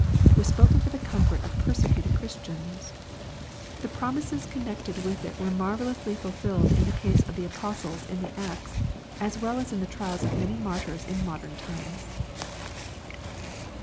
It was spoken for the comfort of persecuted Christians. The promises con nected with it were marvellously fulfilled in the case of the Apos tles in the Acts, as well as in the trials of many martyrs in modern times.